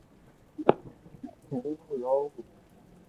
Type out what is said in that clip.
ھون رووُ